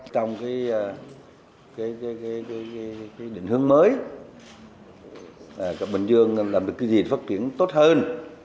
trong cái định hướng mới bình dương làm được cái gì phát triển tốt hơn